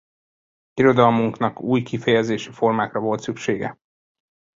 Irodalmunknak új kifejezési formákra volt szüksége.